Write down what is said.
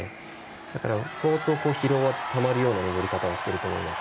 だから相当、疲労はたまるような登り方をしていると思います。